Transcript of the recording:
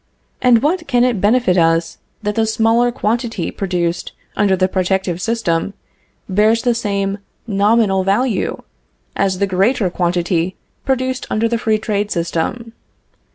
And what can it benefit us that the smaller quantity produced under the protective system bears the same nominal value as the greater quantity produced under the free trade system?